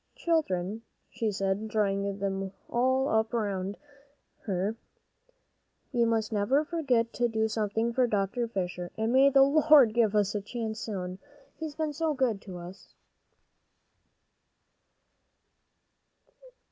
"Children," she said, drawing them all up around her, "we must never forget to do something for Dr. Fisher, and may the Lord give us a chance soon. He's been so good to us."